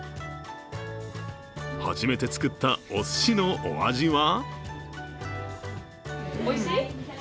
初めて作ったおすしのお味は？